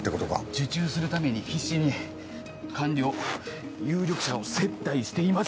受注するために必死に官僚有力者を接待していました。